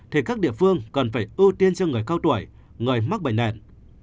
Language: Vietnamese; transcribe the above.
thì các địa phương cần phải ưu tiên cho người cao tuổi người mắc bệnh nền